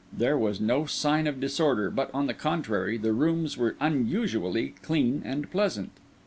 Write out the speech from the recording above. There was no sign of disorder, but, on the contrary, the rooms were unusually clean and pleasant.